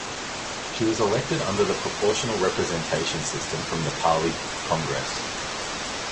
She was elected under the proportional representation system from Nepali Congress.